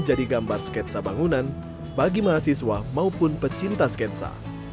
jadi gambar sketsa bangunan bagi mahasiswa maupun pecinta sketsa